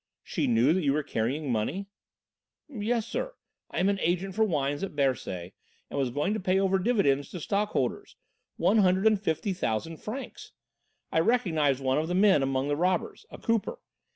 "She knew that you were carrying money?" "Yes, sir. I am an agent for wines at Bercy, and I was going to pay over dividends to stock holders, one hundred and fifty thousand francs. I recognised one of my men among the robbers, a cooper.